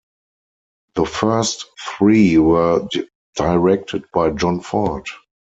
The first three were directed by John Ford.